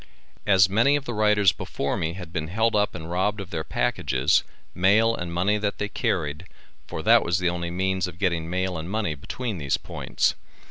As many of the riders before me had been held up and robbed of their packages, mail and money that they carried, for that was the only means of getting mail and money between these points.